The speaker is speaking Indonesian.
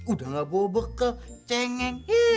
udah nggak bobok bokok cengeng